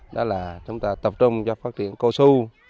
đó là chúng ta tập trung cho phát triển cao su